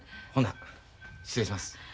ほな失礼します。